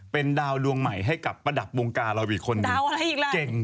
เป็นดาวดวงให้กับประดับวงกาเราอีกคนนึง